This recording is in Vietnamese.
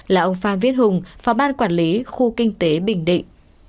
là ông phan viết hùng phó ban quản lý khu kinh tế bình định